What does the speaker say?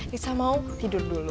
nisa mau tidur dulu